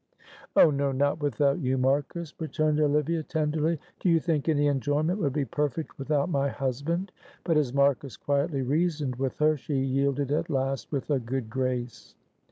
"Oh, no; not without you, Marcus," returned Olivia, tenderly. "Do you think any enjoyment would be perfect without my husband?" But as Marcus quietly reasoned with her, she yielded at last with a good grace.